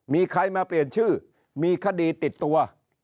มีใครมาเปลี่ยนชื่อมีคดีติดตัว